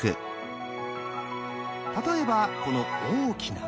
例えばこの大きな目。